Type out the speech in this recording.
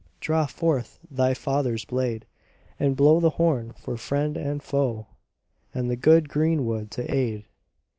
Draw forth thy father's blade, And blow the horn for friend and foe, And the good green wood to aid!"